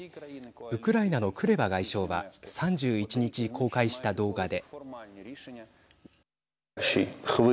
ウクライナのクレバ外相は３１日公開した動画で。